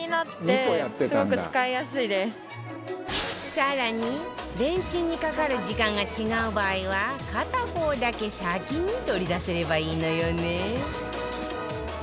更にレンチンにかかる時間が違う場合は片方だけ先に取り出せればいいのよね